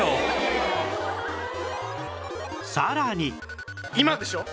さらに